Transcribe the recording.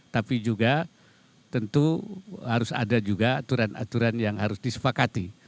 tapi juga tentu harus ada juga aturan aturan yang harus disepakati